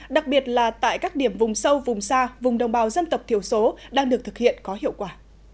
đặc biệt là tại các điểm vùng sâu vùng xa vùng đồng bào dân tộc thiểu số đang được thực hiện có hiệu quả